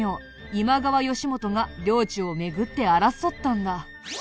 今川義元が領地を巡って争ったんだ。